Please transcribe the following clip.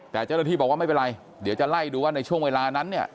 แต่เจ้าหน้าที่บอกว่าไม่เป็นไรเดี๋ยวจะไล่ดูว่าในช่วงเวลานั้นเนี่ย